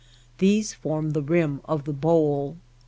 These form the Eim of the Bowl.